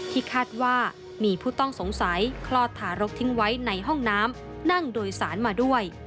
คาดว่ามีผู้ต้องสงสัยคลอดทารกทิ้งไว้ในห้องน้ำนั่งโดยสารมาด้วย